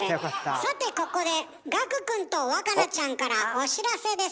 さてここで岳くんと若菜ちゃんからお知らせです。